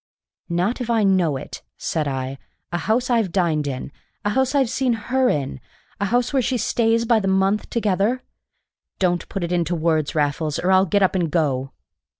"Not if I know it!" said I. "A house I've dined in a house I've seen her in a house where she stays by the month together! Don't put it into words, Raffles, or I'll get up and go."